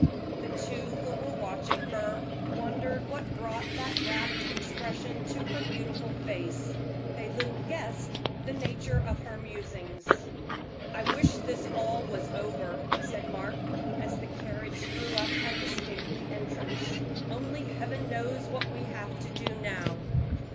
The two who were watching her wondered what brought that rapt expression to that beautiful face. They little guessed the nature of her musings. "I wish this was all over," said Mark, as the carriage drew up at the stately entrance. "Only Heaven knows what we have to do now."